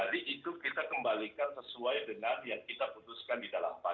jadi itu kita kembalikan sesuai dengan yang kita putuskan di dalam panja